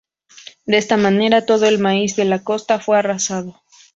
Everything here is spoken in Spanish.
De esta manera todo el maíz de la costa fue arrasado.